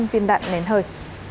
năm viên đạn nến hơi